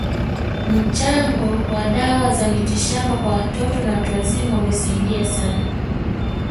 Mchango wa dawa za mitishamba kwa watoto na watu wazima ulisaidia sana